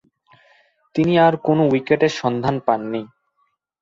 তিনি আর কোন উইকেটের সন্ধান পাননি।